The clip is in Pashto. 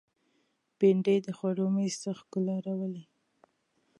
بېنډۍ د خوړو مېز ته ښکلا راولي